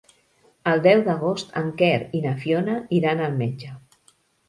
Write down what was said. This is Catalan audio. El deu d'agost en Quer i na Fiona iran al metge.